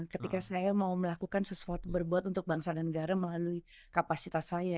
ketika saya mau melakukan sesuatu berbuat untuk bangsa dan negara melalui kapasitas saya